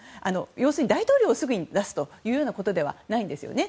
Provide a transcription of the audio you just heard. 要するにすぐに大統領を出すということではないんですよね。